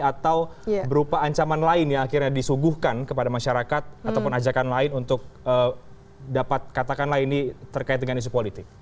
atau berupa ancaman lain yang akhirnya disuguhkan kepada masyarakat ataupun ajakan lain untuk dapat katakanlah ini terkait dengan isu politik